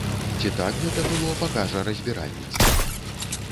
Ці так гэта было, пакажа разбіральніцтва.